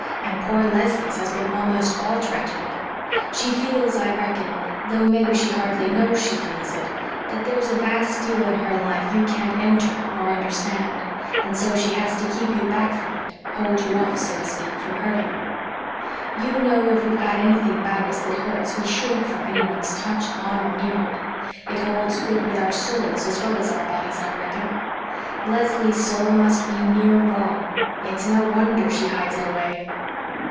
And poor Leslie's has been almost ALL tragedy. She feels, I reckon, though mebbe she hardly knows she feels it, that there's a vast deal in her life you can't enter nor understand and so she has to keep you back from it hold you off, so to speak, from hurting her. You know if we've got anything about us that hurts we shrink from anyone's touch on or near it. It holds good with our souls as well as our bodies, I reckon. Leslie's soul must be near raw it's no wonder she hides it away."